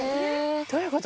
どういうこと？